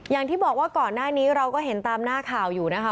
อย่างที่บอกว่าก่อนหน้านี้เราก็เห็นตามหน้าข่าวอยู่นะคะ